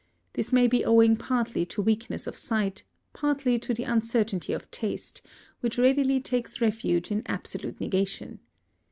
This may be owing partly to weakness of sight, partly to the uncertainty of taste, which readily takes refuge in absolute negation.